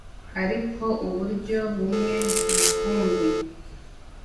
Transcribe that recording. ariko uburyo bumwe rukumbi